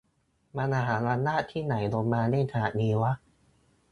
"มหาอำนาจที่ไหนลงมาเล่นขนาดนี้วะ"